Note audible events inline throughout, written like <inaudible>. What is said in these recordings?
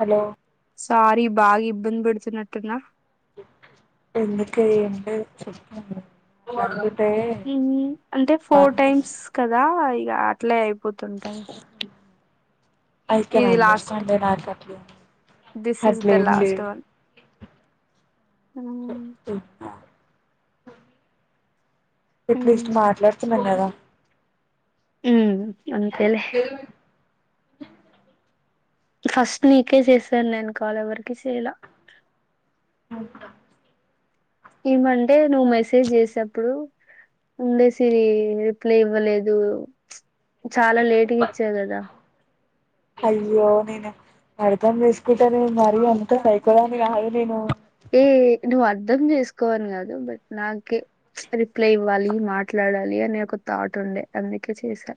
Hello sorry బాగా ఇబ్బంది పెడుతున్నటునా ఎందుకె ఏంటే చెప్పాలే అంటే ఫోర్ టైమ్స్ కదా ఇక అట్లే అయిపోతుంటాయి ఐ కెన్ ఇది లాస్ట్ అండర్స్టాండే నాకు అట్లే దిస్ ఈస్ ద అట్లేం లేదు అ అట్లేస్ట్ ఉమ్ మాట్లాడుతున్నాన్న కదా ఉమ్మ్ అంతెలే ఫస్ట్ నీకే చేశాను నేను కాల్ ఎవరికీ చేయాల మొద్ద ఏమంటే నువ్వు మెసేజ్ చేసేప్పుడు ఉండేసిరి రిప్లై ఇవ్వలేదు చాలా లేటుగా ఇచ్చా కదా అయ్యో నేను అర్థం చేసుకుంటే నేను మరీ అంత సైకోదాని కాదు నేను ఏ నువ్ అర్థం చేసుకోవను కాదు బట్ నాక రిప్లై ఇవ్వాలి మాట్లాడ మాట్లాడాలి అనే ఒక థాట్ ఉండే అందుకే చేశా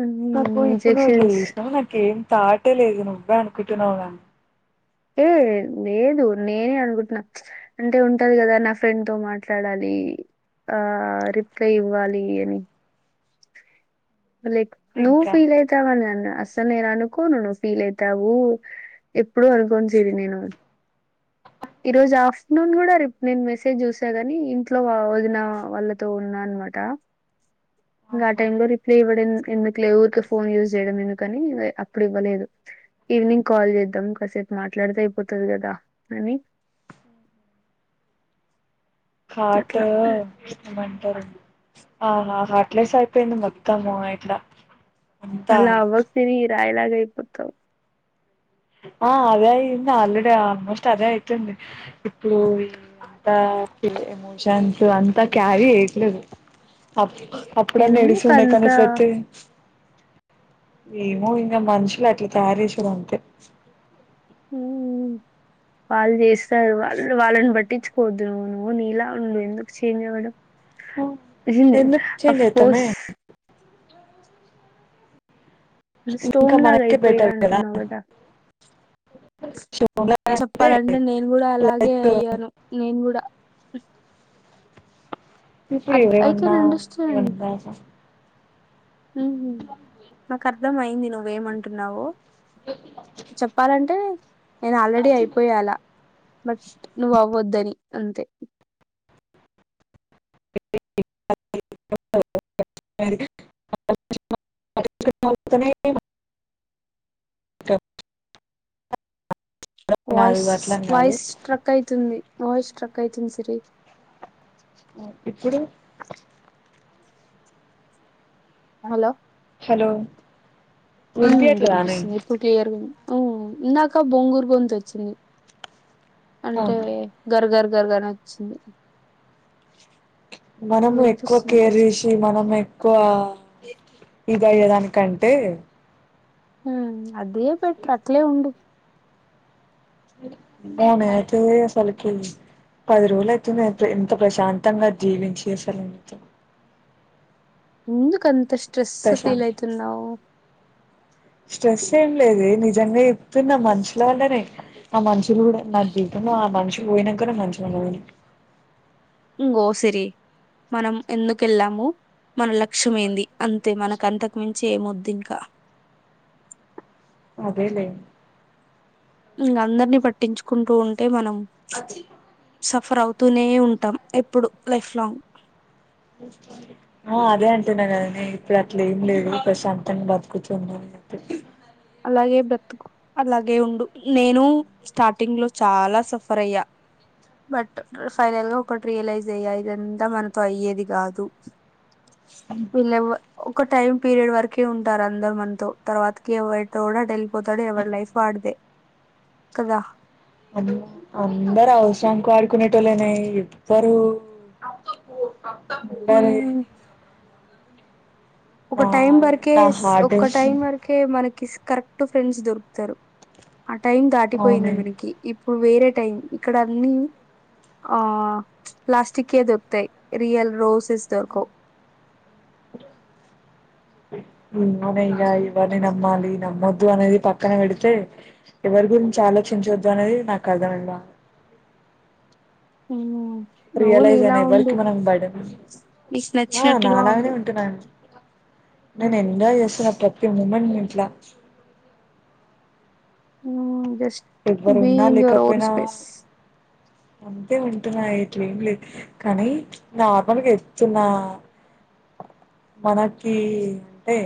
హ్మ్. నాకు ఇప్పుడు నువ్వుట్ల ఇంజెక్షన్స్ చేసినవని నాకేం తౌట్లేలేదు నువ్వే అనుకుంటున్నావుగా ఏ లేదు నేనే అనుకుంటున్నా అంటే ఉంటది కదా నా ఫ్రెండ్ తో మాట్లాడాలి ఆ రిప్లై ఇవ్వాలి అని లైక్ నువ్వు ఇంకా ఫీల్ ఐతావని అన్న అస్సలు నేను అనుకోను నువ్ ఫీల్ అయితావు ఎప్పుడు అనుకోను సిరి నేను ఈ రోజు ఆఫ్టర్నూన్ కూడా రిప్లై నేను మెసేజ్ చూసా గాని ఇంట్లో వదిన వాళ్ళతో ఉన్నాను అన్నమాట ఇంకా ఆ టైలో రిప్లై ఇవ్వడం ఎందుకులో ఊరికె ఫోన్ యూజ్ చేయడం ఎందుకని అప్పుడు ఇవ్వలేదు ఈవినింగ్ కాల్ చేద్దాం కాసేపు మాట్లాడీతే అయిపోతుంది కదా అని హాట్ అట్లా ఇష్టమంటారు ఆహా హట్లేస్ అయిపోయింది మొత్తం ఇట్లా అంతా అలా అవ్వకు సిరి రాయిలాగ అయిపోతావ్ ఆ అదే అయింది ఆల్రెడీ ఆల్మోస్ట్ అదే అయితుంది ఇప్పుడు అంత ఫి ఎమోషన్స్ అంతా క్యారి ఎట్లేదు అప్పుడన్న ఏడుస్తుండే కని ఎందుకంతా ఇప్పుడైతే ఏమో ఇంకా మనుషులు అట్లా తయారు చేసిరు అంతే మ్ వాళ్ళు చేస్తారు వాళ్ళు వాళ్ళని పట్టించుకోవద్దు నువ్వు నువ్వు నీలా ఉండు ఎందుకు చేంజ్ అవ్వడం నిజంగా ఎందుకు చేంజ్ అఫ్ అయితామే కోర్స్ ఇంకా స్టోన్ లాగా మనకే అయిపోయా బెటర్ కదా అంటున్నావు చెప్పాలంటే నేను కూడా అలాగే లైక్ అయ్యాను నేను కూడా ఇప్పుడు ఎవరేం ఐ అన్న కెన్ ఏం కాదు ఉ మ్ నాకు అర్థం అయింది నువ్వేమంటున్నావో చెప్పాలంటే నేను ఆల్రెడీ అయిపోయ అలా బట్ నువ్వు అవ్వద్దని ని అంతే <inaudible> ట వాయిస్ అట్లని కాదు వాయిస్ స్ట్రక్ అయితుంది వాయిస్ స్ట్రక్ అయితుంది సిరి ఓ ఇప్పుడు హలో హలో మ్ వినిపియట్లేదానే వినిపిస్తుంది ఇప్పుడు క్లియర్గ్ ఉంది ఊ ఇందాక బొంగూరు గొంతు వచ్చింది అంటే గర్గర్ గర్ గర్ అని వచ్చింది ఇప్పుడు మనము ఎక్కువ వినిపిస్తుంది కేర్ చేసి మనం ఎక్కువ ఇది అయ్యేదానికంటే ఆ అదే బేటర్ అట్లే ఉండు ఆమే అయితే అసలుకి పది రోజులు అయితుంది అయితే ఎంత ప్రశాంతంగా జీవించి అసలు మొత్తం ఎందుక అంత స్ట్రెస్ ఫీల్ ప్రశాంత్ అయితున్నావ్ స్ట్రెస్ ఏం లేదే నిజంగా చెప్తున్న మనుషుల వల్లనే ఆ మనుషులు కూడా నా జీవితం ఆ మనుషులు పోయినంక నే మంచిగా ఉన్న నేను మ్ గో సిరి మనం ఎందుకు వెళ్ళాము మన లక్ష్యమేంది అంతే మనకంతకు మించి ఏమొద్దింకా అదేలేే ఇంగ అందరినీ పట్టించుకుంటూ ఉంటే మనం సఫర్ అవు తూనే ఉంటాం ఎప్పుడు లైఫ్ లాంగ్ ఆ అదే అంటున్నా కదనే ఇప్పుడు అట్లే ఏం లేదు ప్రశాంతంగా బతుకుతున్న అలాగే బ్రతుకు అలాగే ఉండు నేను స్టార్టింగ్ లో చాలా సఫర్ అయ్యా బట్ ఫైనల్ గా ఒకటి రియలైజ్ అయ్యా ఇదంతా మనతో అయ్యేది కాదు చెప్పి విలెవ్వ ఒక టైమ్ పీరియడ్ వరకే ఉంటారు అందరు మనతో తర్వాతకి ఎవ తోడు అట్టెల్లిపోతాడు ఎవడి లైఫ్ వాడిదే కదా అందరు అవసరానికి వాడుకునేటోల్లేనే ఎవ్వరు అంటారే ఉమ్, ఒక టైం వరకే నా ఒక్క హార్డెస్ టైం వరకే మనకి కరెక్ట్ ఫ్రెండ్స్ దొరుకుతారు ఆ టైం దాటిపోయింది అవును మనకి ఇప్పుడు వేరే టైం ఇక్కడ అన్నీ ఆ ప్లాస్టికియే దొరుకుతయ్, రియల్ రోసెస్ దొరకవ్ అ ఇన్నోనయ ఇవరిని నమ్మాలి నమ్మొద్దు అనేది పక్కన పెడితే, ఎవర్ ఎవరి గురించి ఆలోచించవద్దు అనేది నాకు అర్థమైంది బ ఉమ్ నువ్వు రియలైజ్ నీలా అనేవరికి ఉండు మనం బడెన్, నీకు ఆ నచ్చినట్టుగా నాలాగనే ఉండు ఉంటున్నా నేను ఎంజాయ్ చేసిన ప్రతి మూమెంట్ ఇంట్లా um just be in your own లేకపోయినా స్పేస్ అంతే ఉంటున్నా ఇట్లేం లేదు కానీ, నార్మల్గా ఎప్తున్నా మనకి అంటే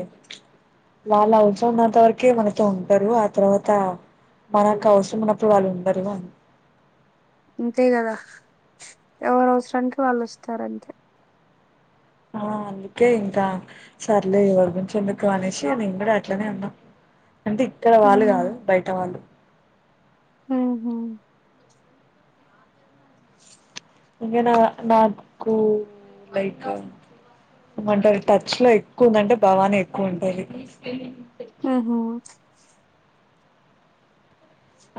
వాళ్ళ అవసరం ఉన్నంత వరకే మనతో ఉంటారు, ఆ తర్వాత మనకు అవసరం ఉన్నప్పుడు, వాళ్ళు ఉండరు అని. అంతే కదా, ఎవరు అవసరానికి వాళ్ళు వస్తారంతే. ఆ అందుకే ఇంకా సర్లే ఎవర్ గుంచి ఎందుకు అనేసి నేను కూడా అట్లనే ఉన్న. అంటే ఇక్కడ వాళ్ళు కాదు, బయట వాళ్ళు హ హ్మ్ ఇగనా నాగుకు లైట్ గా ఏం అంటారు, టచ్ లో ఎక్కువ ఉందంటే భావానే ఎక్కువ ఉంటది. ఆహ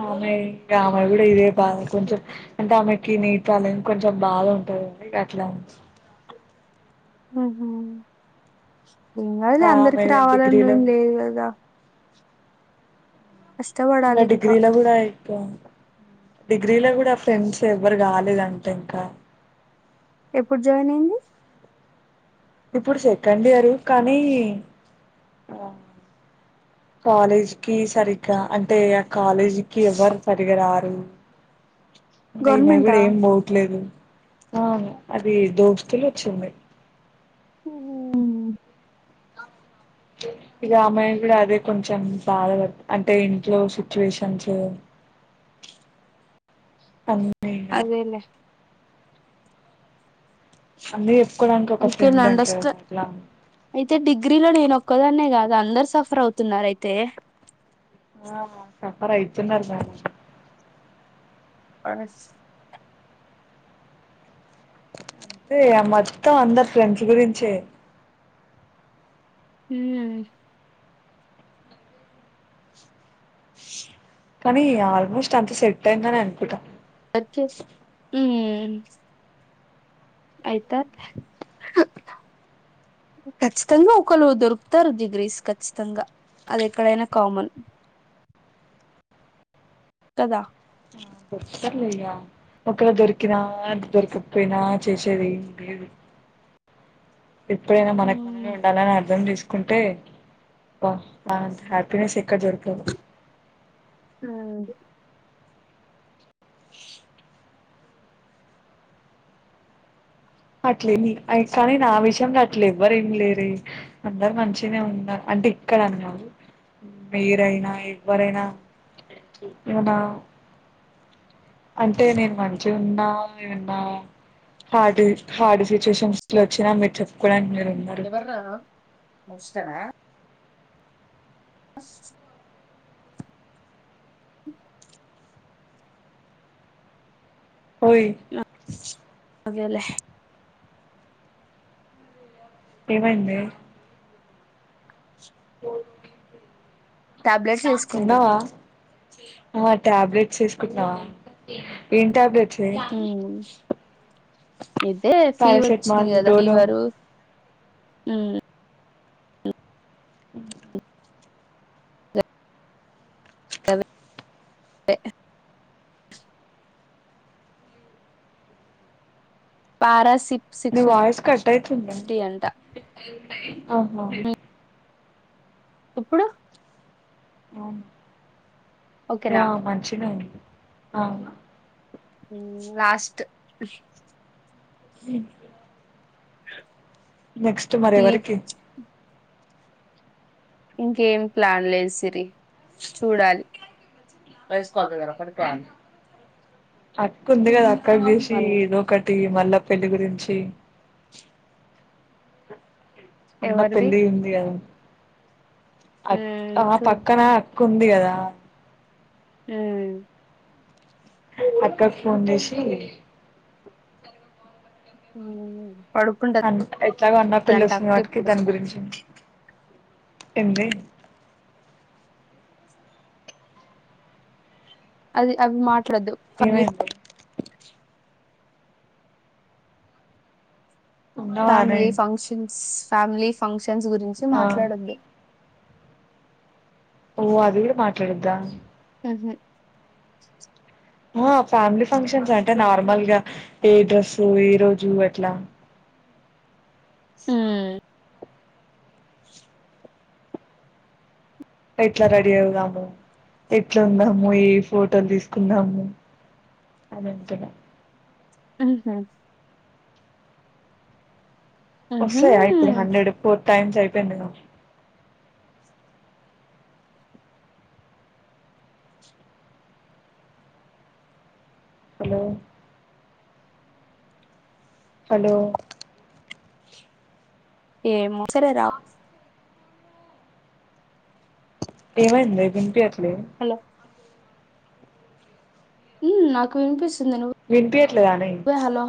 ఆమయి ఇంకామయి కూడా ఇదే బాధ, కొంచెం అంటే ఆమెకి నీతోలన్ కొంచెం బాధ ఉం గట్ల ఉహు, ఏం కాదలే ఇంకా ఆమె అందరికి రావాలని డిగ్రీలో ఏం లేదు కదా. అ కష్టపడాలి ఇంకా డిగ్రీలో గుడ ఇంక గ్రీలో గూడ ఫ్రెండ్స్ ఎవ్వరు కాలేదంటే ఇంకా ఎప్పుడు జాయిన్ అయింది. ఇప్పుడు సెకండ్ ఇయరు కానీ ఆ కాలేజీకి సరిగ్గా, అంటే ఆ కాలేజీకి ఎవరు సరిగ రారు. ఇంగ ఈమె గవర్నమెంటా గుడ ఏం పోవట్లేదు. అది దోస్తులు వచ్చింది ఉమ్ ఇగ మేం గుడ అదే కొంచెం బాధపడు, అంటే ఇంట్లో సిచ్యువేషన్స్ అన్ అదేలే అందిప్ అందుకే నండస్త అయితే డిగ్రీలో నేను ఒక్కదాన్నే కాదు గ అందరు సఫర్ అవుతున్నరయితే ఆహ సఫర్ అయితున్నరు మ్యాక్సి ఆడెస్ రే ఆ మొత్తం అందరు ఫ్రెండ్స్ గురించే హ్మ్ కానీ ఆల్మోస్ట్ అంత సెట్ అయిందనే అనుకుంట. అచ్చే ఉమ్ అయిత ఖచ్చితంగా ఒకళ్ళు దొరుకుతారు జిగ్రీస్ ఖచ్చితంగా అది ఎక్కడైనా కామన్ కదా వస్తర్లేయ్యా ఒకవేళ దొరికినా అ దొరకకపోయినా చేసేది ఏ ఉండది ఎప్పుడైనా మనకు మనమే మ్మ్. ఉండాలని అర్థం చేసుకో కుంటే బ హ్యాపీనెస్ ఎక్కడ దొరకదు ఉమ్ అట్లేని కానీ నా విషయంలో అట్లే ఎవ్వరు ఏమి లేరే అందరు మంచిగనే ఉన్నారు అంటే ఇక్కడ అనికాదు మీరైనా ఎవ్వరైనా అవునా అంటే నేను మంచిగ ఉన్నా ఏన్నా హార్డ్ హార్డ్ సిచ్యువేషన్స్ లో వచ్చినా మీరు చెప్పుకోవడానికి మీరు ఉన్నారు ఎవరు నాన ముస్తానా ఓయ్ అదేలే ఏమైందే ఓకే టాబ్లెట్స్ వేసుకుంటు ఆ టాబ్లెట్స్ వేసుకుంటున్నావా ఏం టాబ్లెట్ చే ఇదే ఫీవర్ వచ్చింది కదా డోలో ఫీవరు ఉమ్ సే పారాసి నీ వాయిస్ కట్ అయితుంది ఆహా మ్మ్. ఇప్పుడు అవును ఓకేనా ఆ మంచిగనే ఉంది ఆ ఉమ్ లాస్ట్ ఉమ్ నెక్స్ట్ మరి ఈ ఎవరకి ఇంకేం ప్లాన్ లేదు సిరి చూడాలి సదగ ర ఒక కాాల అక్క ఉంది కదా అక్కకు చేసి ఒకటి మళ్ళా పెళ్లి గురించి అన్న ఎవరిది పెళ్లి ఉంది గదా అక మ్మ్. ఆ పక్కన చూద్దాం అక్క ఉంది కదా ఉమ్ అక్కకి ఫోన్ చేసి ఉ ఉమ్ ఆన్ ఎట్లాగో అన్న పెళ్లి వస్తుంది వాటికి ఇప్పుడు దాని గురించి ఏంది అది అవి మాట్లాడద్దు ఫ్యామిలీ ఏమైంది ఉన్నావానే ఫ్యామిలీ ఫంక్షన్స్ ఫ్యామిలీ ఫంక్షన్స్ గురించి ఆ మాట్లాడద్దు ఓ అది కూడా మాట్లాడద్దా ఉహూ ఆ ఫ్యామిలీ ఫంక్షన్స్ అంటే నార్మల్ గా ఏ డ్రెస్సు ఏ రోజు ఎట్లా. ఉమ్ ఎట్లా రెడీ అవుదాము ఎట్లా ఉందము ఏ ఫోటోలు తీసుకుందాము. అదకిన ఆహ ఉహు వస్తాయా ఇప్పుడు హండ్రెడ్ ఫోర్ టైమ్స్ అయిపోయిందిను హలో హలో ఏమో సరే రా ఏమైంద వినిపి హలో నాకు వినిపిస్తుంది వినిపియట్లేదానే ను్వు హలో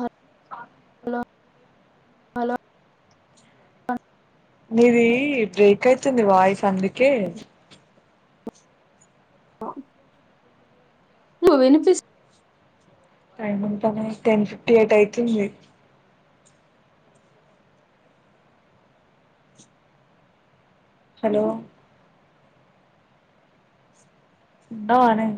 హలో మీది బ్రేక్ అయితుంది వాయిస్ అందుకే ఆ నువ వినిపి టైమింగ్ పనే టెన్ ఫిఫ్టీ ఎయిట్ అయితుంది. హలో ట అనే